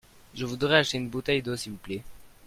Je voudrais acheter une bouteille d'eau s'il vous plait.